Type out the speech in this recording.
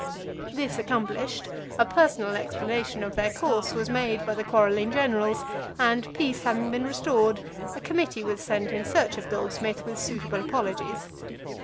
This accomplished, a personal explanation of their course was made by the quarrelling generals, and, peace having been restored, a committee was sent in search of Goldsmith with suitable apologies.